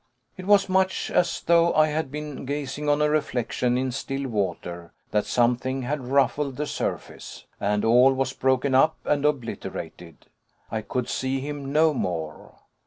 It was much as though I had been gazing on a reflection in still water; that something had ruffled the surface, and all was broken up and obliterated. I could see him no more.